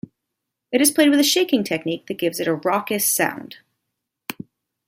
It is played with a shaking technique that gives it a raucous sound.